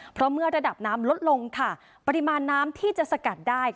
เพราะเมื่อระดับน้ำลดลงค่ะปริมาณน้ำที่จะสกัดได้